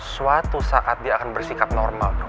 suatu saat dia akan bersikap normal